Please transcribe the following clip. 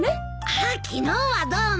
あっ昨日はどうも。